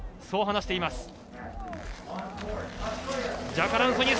そう話しています。